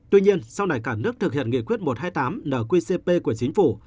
tuy nhiên sau này cả nước thực hiện nghị quyết một trăm hai mươi tám nqcp của chính phủ